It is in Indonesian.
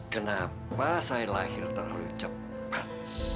kenapa saya lahir terlalu cepat